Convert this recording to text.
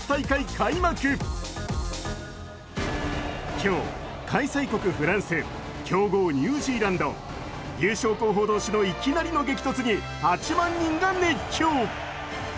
今日、開催国フランス、強豪ニュージーランド優勝候補同士のいきなりの激突に８万人が熱狂。